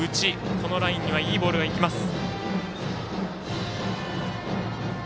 このラインにはいいボールがいきます。